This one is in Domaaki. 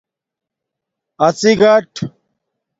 اڎݵ گاٹ